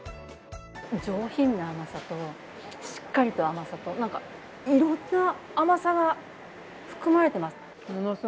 上品な甘さとしっかりした甘さと、いろんな甘さが含まれています。